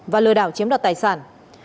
và lừa đảo chiếm đoạt tài sản